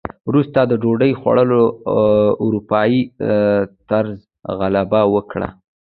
وروسته د ډوډۍ خوړلو اروپايي طرز غلبه وکړه.